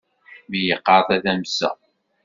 Mmi yeqqar tadamsa.